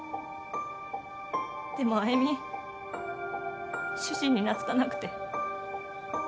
でも愛魅主人に懐かなくて。